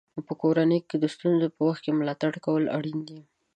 په کورنۍ کې د ستونزو په وخت کې ملاتړ کول اړین دي.